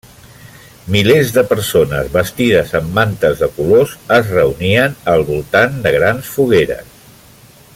Milers de persones, vestides amb mantes de colors, es reunien al voltant de grans fogueres.